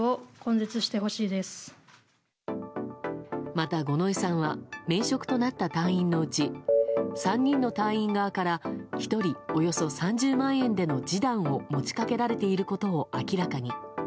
また、五ノ井さんは免職となった隊員のうち３人の隊員側から１人およそ３０万円での示談を持ち掛けられていることを明らかに。